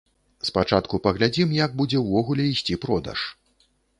Спачатку паглядзім, як будзе ўвогуле ісці продаж.